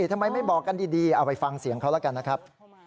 ทำไมไม่บอกกันดีเอาไปฟังเสียงเขาแล้วกันนะครับ